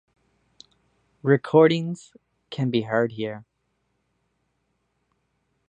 Recordings can be heard here.